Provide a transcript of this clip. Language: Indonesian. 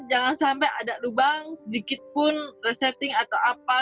jangan sampai ada lubang sedikit pun resetting atau apa